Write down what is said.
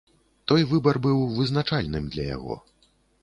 Той выбар быў вызначальным для яго.